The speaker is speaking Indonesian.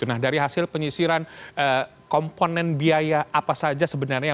nah dari hasil penyisiran komponen biaya apa saja sebenarnya